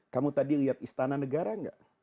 kamu tadi lihat istana negara nggak